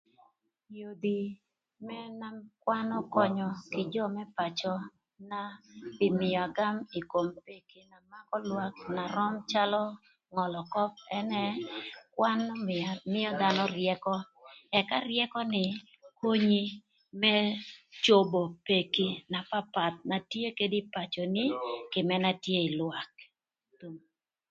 Yodhi mënë na kwan ökönyö kï jö më pacöna pï agam ï kom peki na makö lwak na röm calö ngölö köp ënë kwan ömïö dhanö ryëkö ëka ryëkö ni konyi më cobo peki na papath na tye kede ï pacöni kï mënë tye ï lwak.